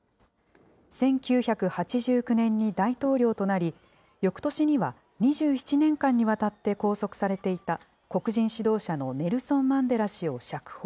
１９８９年に大統領となり、よくとしには２７年間にわたって拘束されていた黒人指導者のネルソン・マンデラ氏を釈放。